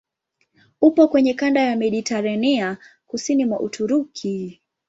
Upo kwenye kanda ya Mediteranea kusini mwa Uturuki.